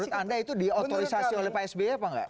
menurut anda itu di autorisasi oleh psb apa enggak